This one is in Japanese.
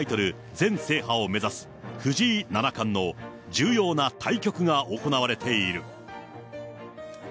全制覇を目指す藤井七冠の重要な対局が行われている。